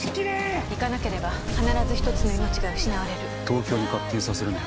行かなければ必ず１つの命が失われる東京に勝手にさせるなよ